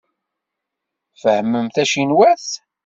Tfehhmem tacinwat?